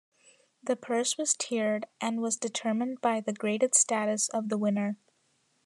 The purse was "tiered" and was determined by the graded status of the winner.